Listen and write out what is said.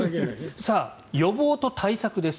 さあ、予防と対策です。